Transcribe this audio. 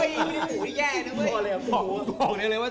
โอ้ยไม่ได้พูดแย่นะเว้ย